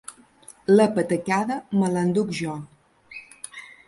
La patacada me l'enduc jo.